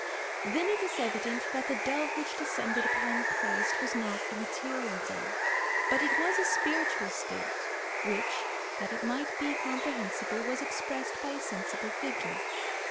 Then it is evident that the dove which descended upon Christ was not a material dove, but it was a spiritual state, which, that it might be comprehensible, was expressed by a sensible figure.